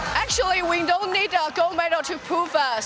sebenarnya kita tidak perlu gold medal untuk menunjukkan kita